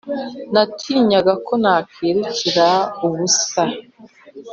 Natinyaga ko nirukira ubusa